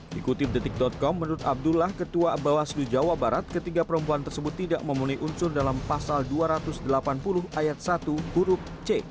dikutip detik com menurut abdullah ketua bawaslu jawa barat ketiga perempuan tersebut tidak memenuhi unsur dalam pasal dua ratus delapan puluh ayat satu huruf c